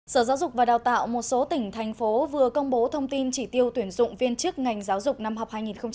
sở giáo dục và đào tạo một số tỉnh thành phố vừa công bố thông tin chỉ tiêu tuyển dụng viên trước ngành giáo dục năm học hai nghìn một mươi sáu hai nghìn một mươi bảy